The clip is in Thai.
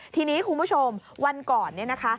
ทีนี้คุณผู้ชมวันก่อนเนี่ยนะคะ